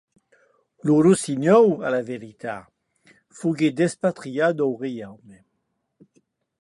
Eth rossinhòl de vertat siguec despatriat deth reiaume.